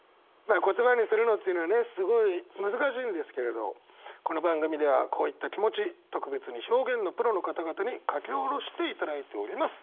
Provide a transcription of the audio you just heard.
言葉にするのっていうのはねすごい難しいんですけれどこの番組ではこういった気持ち特別に表現のプロの方々に書き下ろしていただいております。